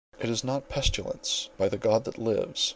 It is not pestilence —by the God that lives!